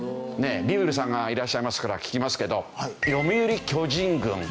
ビビるさんがいらっしゃいますから聞きますけど読売巨人軍。